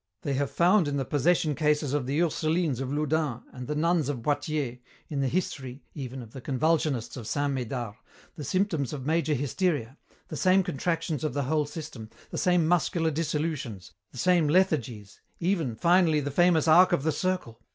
They have found in the possession cases of the Ursulines of Loudun and the nuns of Poitiers, in the history, even, of the convulsionists of Saint Médard, the symptoms of major hysteria, the same contractions of the whole system, the same muscular dissolutions, the same lethargies, even, finally, the famous arc of the circle.